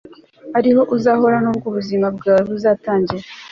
Ariho uzahora nubwo ubuzima bwawe buzatangira